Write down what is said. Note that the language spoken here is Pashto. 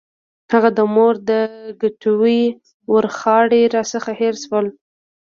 هغه د مور د کټوۍ ورخاړي راڅخه هېر شول.